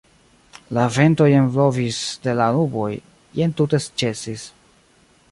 La vento jen blovis de la nuboj, jen tute ĉesis.